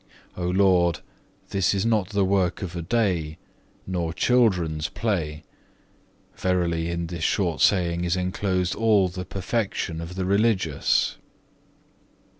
2. O Lord, this is not the work of a day, nor children's play; verily in this short saying is enclosed all the perfection of the religious.